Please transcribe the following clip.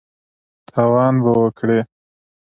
تاوان به وکړې !